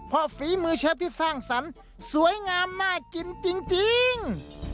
เพราะฝีมือเชฟที่สร้างสรรค์สวยงามน่ากินจริง